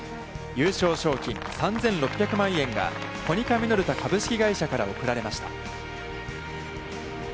優勝賞金３６００万円がコニカミノルタ株式会社から贈られました。